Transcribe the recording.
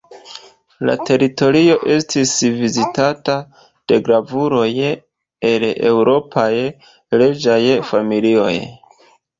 La teritorio estis vizitata de gravuloj el eŭropaj reĝaj familioj.